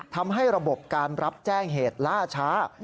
ทำให้ระบบการรับแจ้งเหตุล่าช้า